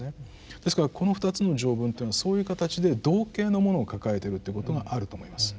ですからこの２つの条文っていうのはそういう形で同形のものを抱えてるっていうことがあると思います。